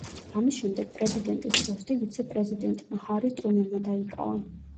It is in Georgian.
ამის შემდეგ პრეზიდენტის პოსტი ვიცე-პრეზიდენტმა ჰარი ტრუმენმა დაიკავა.